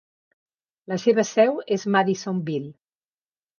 La seva seu és Madisonville.